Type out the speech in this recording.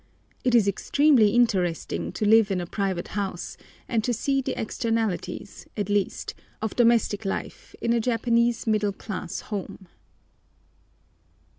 It is extremely interesting to live in a private house and to see the externalities, at least, of domestic life in a Japanese middle class home.